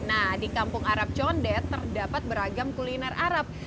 nah di kampung arab condet terdapat beragam kuliner arab